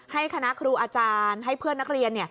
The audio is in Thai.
ให้คณะครูอาจารย์ให้เพื่อนนักเรียน